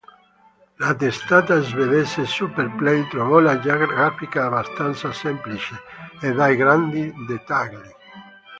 La testata svedese "Super Play" trovò la grafica abbastanza semplice e dai grandi dettagli.